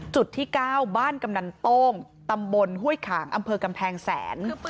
จุดที่๙บ้านกำนันโต้งตำบลห้วยขางอำเภอกำแพงแสน